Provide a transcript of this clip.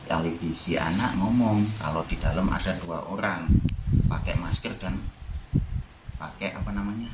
alibi si anak ngomong kalau di dalam ada dua orang pakai masker dan pakai apa namanya